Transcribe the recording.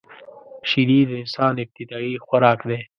شیدې د انسان ابتدايي خوراک دی